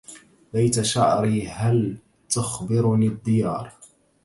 ليت شعري هل تخبرني الديار